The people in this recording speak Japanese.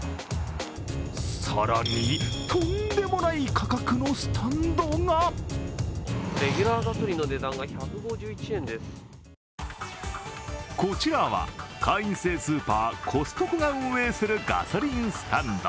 更に、とんでもない価格のスタンドがこちらは会員制スーパー・コストコが運営するガソリンスタンド。